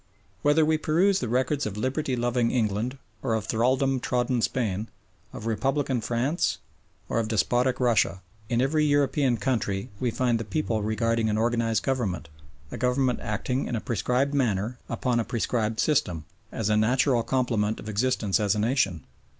Whether we peruse the records of liberty loving England or of thraldom trodden Spain, of republican France, or of despotic Russia, in every European country we find the people regarding an organised government, a government acting in a prescribed manner upon a prescribed system, as a natural complement of existence as a nation.